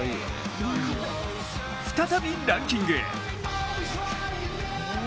再びランキング。